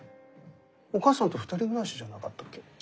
お母さんと２人暮らしじゃなかったっけ？